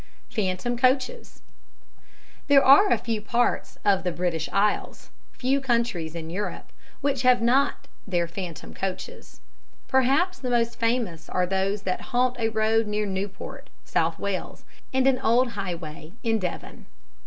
Phantom Coaches There are few parts of the British Isles few countries in Europe which have not their phantom coaches. Perhaps the most famous are those that haunt a road near Newport, South Wales, and an old highway in Devon.